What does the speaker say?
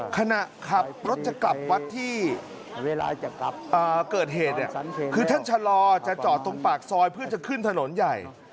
ขณะขับรถจะกลับวัดที่เกิดเหตุคือท่านชะลอจะจอดตรงปากซอยเพื่อจะขึ้นถนนใหญ่